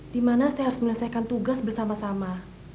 dimana saya harus menyelesaikan tugas bersama sama